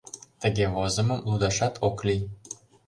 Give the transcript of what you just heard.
Тыге возымым лудашат ок лий.